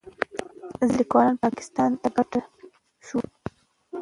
ځینې لیکوالان پاکستان ته کډه شول.